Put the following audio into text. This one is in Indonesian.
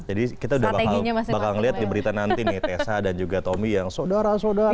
jadi kita udah bakal liat diberita nanti nih tessa dan juga tommy yang sodara sodara